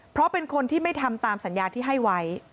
เพราะเป็นคนที่ไม่ทำตามสัญญาที่ให้ไว้